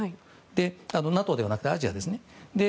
ＮＡＴＯではなくアジアです。